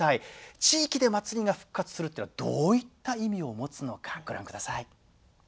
地域で祭りが復活するっていうのはどういった意味を持つのかご覧ください。